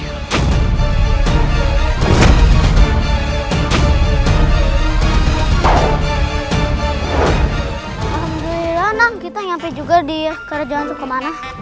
alhamdulillah nang kita nyampe juga di kerajaan itu kemana